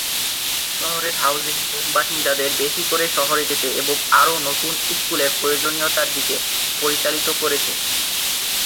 শহরের housing boom বাসিন্দাদের বেশি করে শহরে যেতে এবং আরও নতুন স্কুলের প্রয়োজনীয়তার দিকে পরিচালিত করেছে।